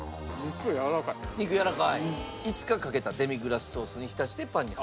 肉やわらかい？５日かけたデミグラスソースに浸してパンに挟んだ。